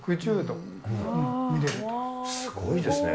すごいですね。